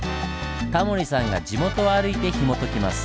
タモリさんが地元を歩いてひもときます。